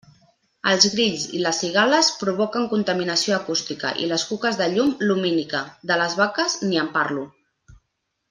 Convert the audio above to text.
Els grills i les cigales provoquen contaminació acústica i les cuques de llum, lumínica; de les vaques, ni en parlo.